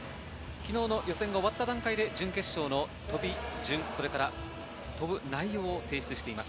昨日の予選が終わった段階で、準決勝の飛び順、飛ぶ内容を提出しています。